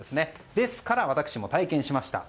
ですから私も体験しました。